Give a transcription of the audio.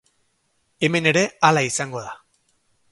Hemen ere hala izango da.